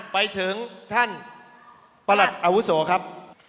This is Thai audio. ไปถึงท่านประหลัดอาวุโสครับ